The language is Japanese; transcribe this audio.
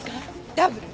ダブル！